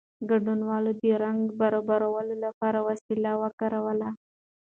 ګډونوالو د رنګ برابرولو لپاره وسیله وکاروله.